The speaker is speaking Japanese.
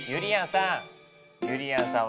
ゆりやんさん！